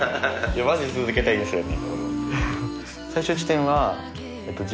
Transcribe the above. マジで続けたいですよね。